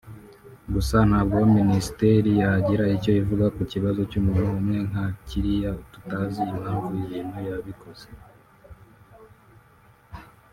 gusa ntabwo Minisiteri yagira icyo ivuga ku kibazo cy’umuntu umwe nka kiriya tutazi impamvu ibintu yabikoze